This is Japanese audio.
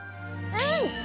うん！